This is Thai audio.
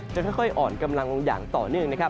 จะค่อยอ่อนกำลังอย่างต่อเนื่อง